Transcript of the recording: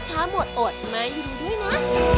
ชาหมดอดมาอยู่ด้วยนะ